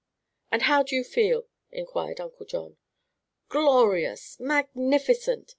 "And how do you feel?" inquired Uncle John. "Glorious magnificent!